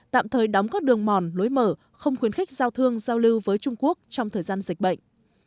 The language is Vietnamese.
tạm thời đóng các đường mòn lối mở không khuyến khích giao thương giao lưu với trung quốc trong thời gian dịch bệnh